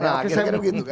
nah akhirnya begitu kan